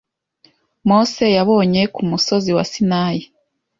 Mose yabonye ku musozi wa Sinayi